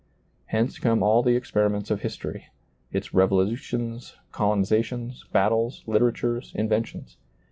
Hence come all the experiments of history, — its revolutions, colonizations, battles, literatures, inventions.